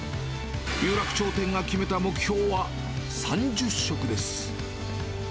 有楽町店が決めた目標は３０食です。